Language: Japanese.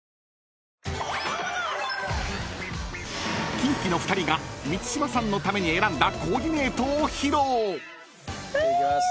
［キンキの２人が満島さんのために選んだコーディネートを披露］いきます。